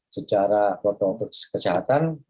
secara secara protokol kejahatan